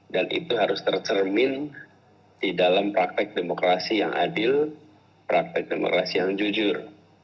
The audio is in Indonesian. dan itu harus tercermin di dalam praktek demokrasi yang adil praktek demokrasi yang jujur